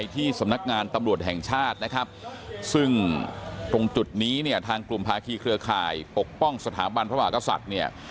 ที่สำนักงานตำรวจแห่งชาตินะครับซึ่งตรงจุดนี้เนี่ยทางกลุ่มภาคีเครือข่ายปกป้องสถาบันพระมหากษัตริย์เนี่ย